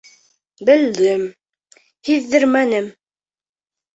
Белдем, һиҙҙермәнем...